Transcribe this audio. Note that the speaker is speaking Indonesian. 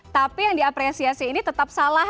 tapi yang diapresiasi ini tetap salah